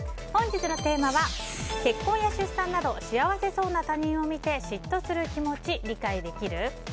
本日のテーマは結婚や出産など幸せそうな他人を見て嫉妬する気持ち理解できる？